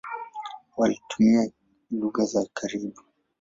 Walitumia lugha za karibu.